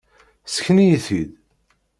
Sken-iyi-t-id.